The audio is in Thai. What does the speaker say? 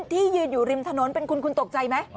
ที่ยืนอยู่ริมถนนเป็นคุณคุณตกใจไหม